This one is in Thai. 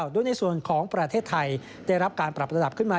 โดยในส่วนของประเทศไทยได้รับการปรับระดับขึ้นมา